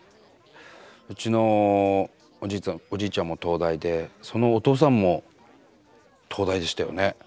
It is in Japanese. うちのおじいちゃんも東大でそのお父さんも東大でしたよね。